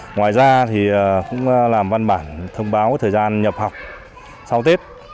ngoài ra thì cũng làm văn bản thông báo thời gian nhập học sau tết